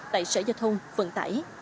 tại sở giao thông vận tải